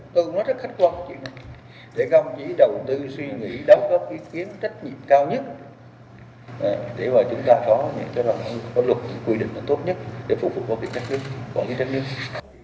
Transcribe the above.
để vào chúng ta có những cái luật quy định tốt nhất để phục vụ quốc hội trách nhiệm quốc hội trách nhiệm